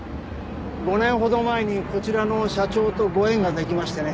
５年ほど前にこちらの社長とご縁ができましてね